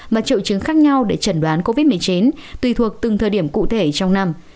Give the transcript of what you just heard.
mà triệu chứng khác nhau để chẩn đoán covid một mươi chín tùy thuộc từng thời điểm cụ thể trong năm